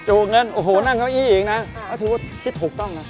จูบเงินโอ้โหนั่งเก้าอี้อีกนะถูกต้องนะ